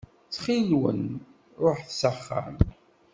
Ttxil-wen ruḥet s axxam.